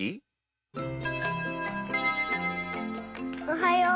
おはよう。